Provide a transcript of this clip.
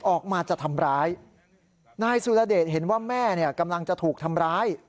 ออกมาจะทำร้ายนายสุรเดชเห็นว่าแม่เนี่ยกำลังจะถูกทำร้าย